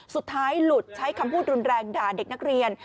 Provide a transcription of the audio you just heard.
สุดท้ายหลุดใช้คำพูดรุนแรงด่าเด็กนักเรียน